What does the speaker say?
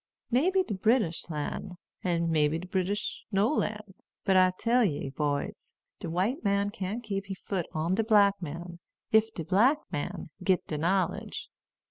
May be de British lan', and may be de British no lan'. But I tell ye, boys, de white man can't keep he foot on de black man, ef de black man git de knowledge.